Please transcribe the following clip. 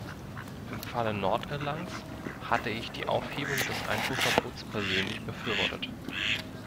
Im Falle Nordirlands hatte ich die Aufhebung des Einfuhrverbots persönlich befürwortet.